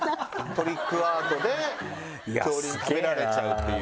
トリックアートで恐竜に食べられちゃうっていう。